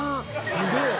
すげえ！